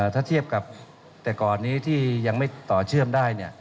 ถ้าเทียบกับแต่ก่อนนี้ที่ยังไม่ต่อเชื่อมได้